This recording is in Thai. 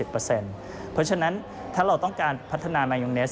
เพราะฉะนั้นถ้าเราต้องการพัฒนามายูเนส